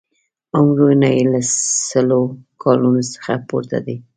عمرونه یې له سلو کالونو څخه پورته دي.